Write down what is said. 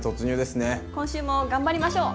今週も頑張りましょう！